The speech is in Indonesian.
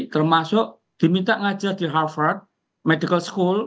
termasuk diminta mengajar di harvard medical school